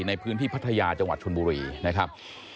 ในพื้นที่พัทยาจังหวัดชนบุรีนะครับ